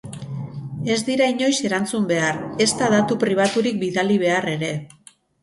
Ez dira inoiz erantzun behar, ezta datu pribaturik bidali behar ere.